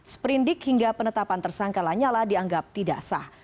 sprindik hingga penetapan tersangka lanyala dianggap tidak sah